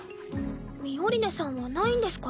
ミオリネさんはないんですか？